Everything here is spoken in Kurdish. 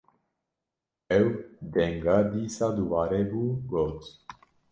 ew denga dîsa dubare bû, got: